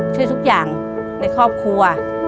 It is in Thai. ช่วยทุกอย่างในครอบครัว